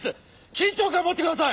緊張感を持ってください！